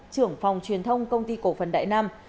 trưởng phòng truyền thông công ty cổ phần đại nam